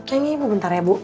kayaknya ibu bentar ya bu